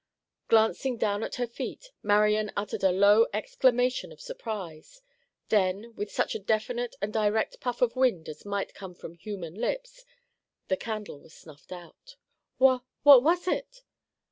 Glancing down at her feet, Marian uttered a low exclamation of surprise. Then, with such a definite and direct puff of wind as might come from human lips, the candle was snuffed out. "Wha—what was it?"